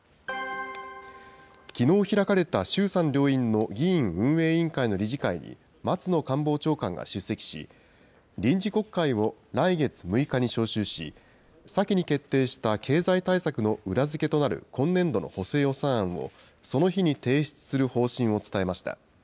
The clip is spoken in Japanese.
きのう開かれた衆参両院の議院運営委員会の理事会に、松野官房長官が出席し、臨時国会を来月６日に召集し、先に決定した経済対策の裏付けとなる今年度の補正予算案をその日に提出する方針を伝えました。